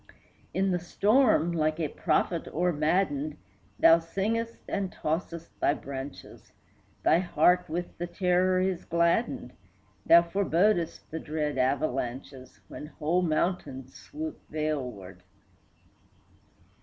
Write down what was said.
In the storm, like a prophet o'ermaddened, Thou singest and tossest thy branches; Thy heart with the terror is gladdened, Thou forebodest the dread avalanches, When whole mountains swoop valeward.